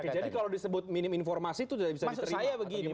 jadi kalau disebut minum informasi itu bisa diterima